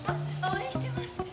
応援してます！